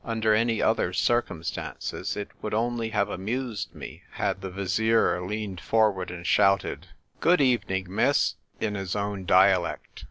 Under any other circum stances it would only have amused me had the Vizier leaned forward and shouted, " Good A DRAWN BATTLE. I9I evening, miss," in his own dialect.